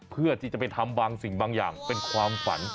เพื่อที่จะไปทำบางสิ่งบางอย่างเป็นความฝัน